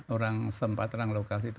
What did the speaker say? orang tempat orang lokal itu